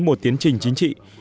một tiến trình chính trị